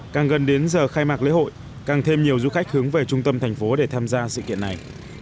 càng gần đến giờ khai mạc lễ hội càng thêm nhiều du khách hướng về trung tâm thành phố để tham gia sự kiện này